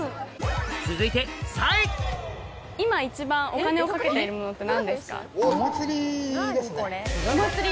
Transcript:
続いて今一番お金をかけてるものって何ですか？